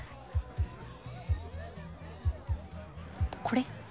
これ。